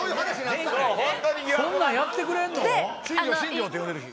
そんなんやってくれるの？